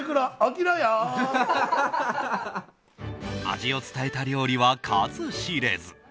味を伝えた料理は数知れず。